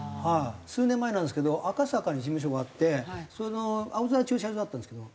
数年前なんですけど赤坂に事務所があってその青空駐車場だったんですけど。